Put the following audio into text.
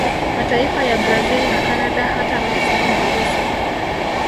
Mataifa ya Brazil na Canada hata Mexico na Urusi